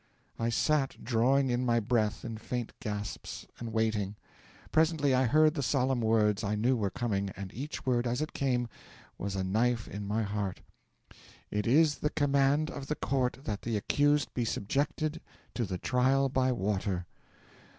'I sat drawing in my breath in faint gasps and waiting. Presently, I heard the solemn words I knew were coming; and each word, as it came, was a knife in my heart: '"It is the command of the court that the accused be subjected to the trial by water."